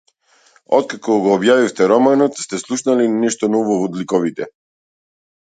Откако го објавивте романот, сте слушнале ли нешто ново од ликовите?